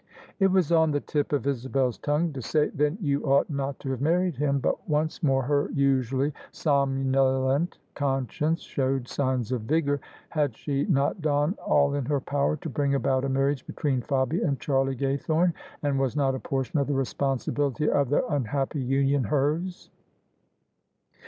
It was on the tip of Isabel's tongue to say, "Then you ought not to have married him :" but once more her usually somnolent conscience showed signs of vigour. Had she not done all in her power to bring about a marriage between Fabia and Charlie Gaythorne : and was not a portion of the responsibility of their unhappy union hers?